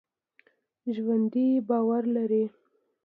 ژوندي باور لري